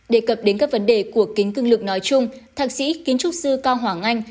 đề cập đến các vấn đề của kính cưng lực nói chung thạc sĩ kiến trúc sư cao hoàng anh